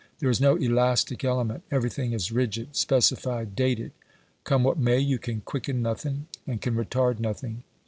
There is no ELASTIC element, everything is rigid, specified, dated. Come what may, you can quicken nothing, and can retard nothing.